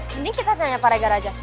mending kita tanya pak regar aja